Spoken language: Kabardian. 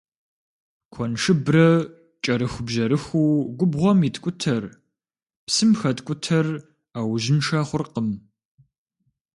Куэншыбрэ кӏэрыхубжьэрыхуу губгъуэм иткӏутэр, псым хэткӏутэр ӏэужьыншэ хъуркъым.